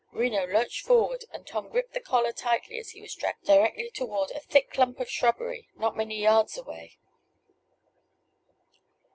Reno lurched forward, and Tom gripped the collar tightly as he was dragged directly toward a thick dump of shrubbery not many yards away.